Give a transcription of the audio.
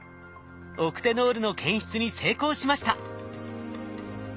オクテノールの検出に成功しました！